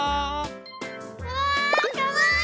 うわかわいい！